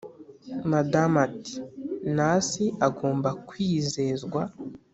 madamu ati"nasi agomba kwizezwa